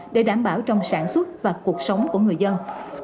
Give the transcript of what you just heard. để đảm bảo trong sản xuất và cuộc sống của người dân